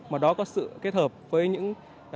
mà đó có sự kết hợp với những